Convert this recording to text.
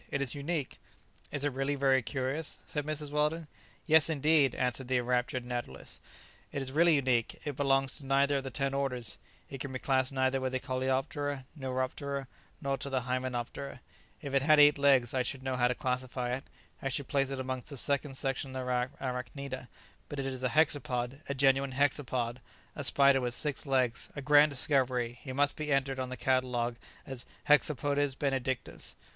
it is unique!" "Is it really very curious?" said Mrs. Weldon. "Yes, indeed," answered the enraptured naturalist; "it is really unique; it belongs to neither of the ten orders; it can be classed neither with the coleoptera, neuroptera, nor to the hymenoptera: if it had eight legs I should know how to classify it; I should place it amongst the second section of the arachnida; but it is a hexapod, a genuine hexapod; a spider with six legs; a grand discovery; it must be entered on the catalogue as 'Hexapodes Benedictus.'"